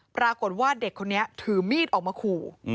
ปรากฏว่าเด็กคนนี้ถือมีดออกมาขู่